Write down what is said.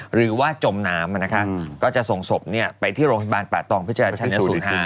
หรือว่าจมน้ำก็จะส่งศพไปที่โรงพยาบาลป่าตองพฤศจรรยศ๐๕